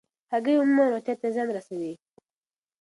هګۍ عموماً روغتیا ته زیان نه رسوي.